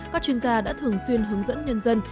các chuyên gia đã thường xuyên hướng dẫn nhân dân